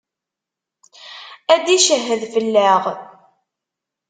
Ad d-icehhed fell-aɣ.